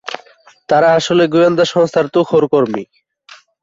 তারা আসলে গোয়েন্দা সংস্থার তুখোড় কর্মী।